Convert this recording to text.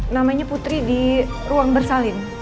namanya putri di ruang bersalin